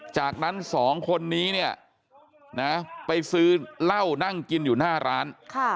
จากนั้นสองคนนี้เนี่ยนะไปซื้อเหล้านั่งกินอยู่หน้าร้าน